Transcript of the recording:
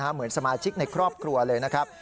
เหมือนสมาชิกในครอบครัวเลยนะครับ